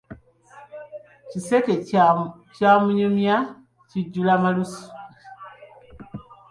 Kiseke kya munyumya, kijjula malusu.